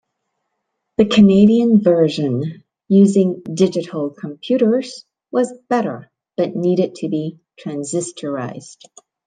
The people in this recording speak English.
The Canadian version, using digital computers, was better, but needed to be transistorized.